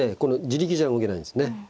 自力じゃ動けないんですね。